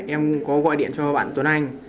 em có gọi điện cho bạn tuấn anh